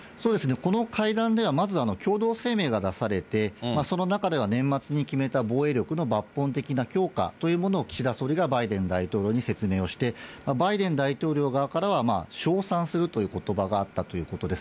この会談では、まず共同声明が出されて、その中では年末に決めた防衛力の抜本的な強化というものを、岸田総理がバイデン大統領に説明をして、バイデン大統領側からは、称賛するということばがあったということです。